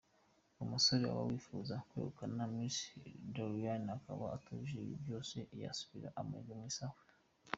Umusore waba wifuza kwegukana Miss Doriane akaba atujuje ibi byose yasubiza amarwe mu isaho.